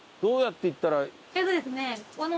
えっとですね。